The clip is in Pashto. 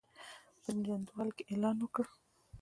په جندول کې یې اعلان وکړ.